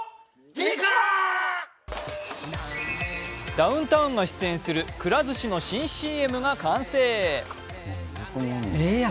ダウンタウンが出演するくら寿司の新ＣＭが完成。